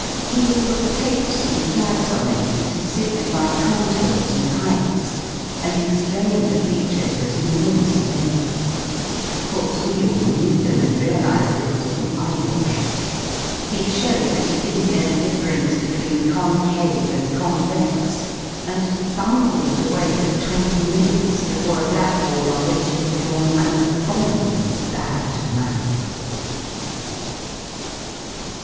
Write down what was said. He had put tapes and flags on it to signify contours and heights, and explained the features at enor mous length: of course we all knew them and realised it was all eye wash. He showed that he didn't know the difference between concave and convex, and bungled away for twenty minutes before a blackboard on which he had drawn an abominably bad map.